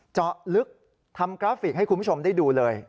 เจาะลึกทำกราฟิกให้คุณผู้ชมได้ดูเลย